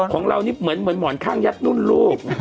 ของเรานี่เหมือนหมอนข้างยัดนุ่นลูก